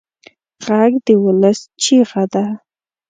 غږ د ولس چیغه ده